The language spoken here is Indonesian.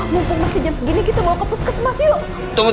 mumpung masih jam segini kita mau ke puskesmas yuk